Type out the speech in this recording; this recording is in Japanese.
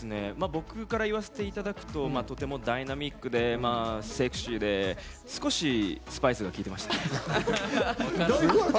僕から言わせていただくとすごくダイナミックでセクシーで少しスパイスが、きいてました。